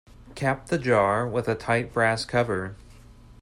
Cap the jar with a tight brass cover.